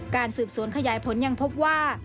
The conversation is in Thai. การสืบสวนขยายผลยังพบว่า